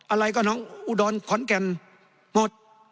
อะไรก็อุดรนด์ขอนแก่นหมด